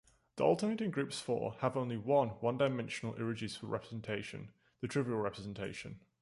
The alternating groups for have only one one-dimensional irreducible representation, the trivial representation.